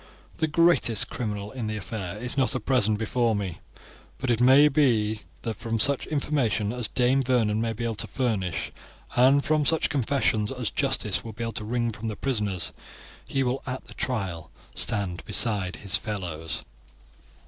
The greatest criminal in the affair is not at present before me, but it may be that from such information as Dame Vernon may be able to furnish, and from such confessions as justice will be able to wring from the prisoners, he will at the trial stand beside his fellows."